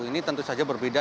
ini tentu saja berbeda